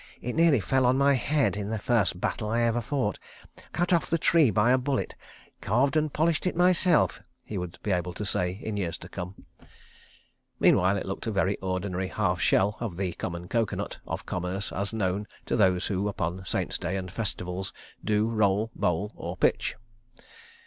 It nearly fell on my head in the first battle I ever fought. Cut off the tree by a bullet. Carved and polished it myself," he would be able to say, in years to come. Meanwhile it looked a very ordinary half shell of the common coco nut of commerce as known to those who upon Saints' Days and Festivals do roll, bowl, or pitch.